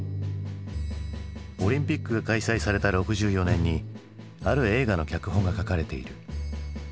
オリンピックが開催された６４年にある映画の脚本が書かれている。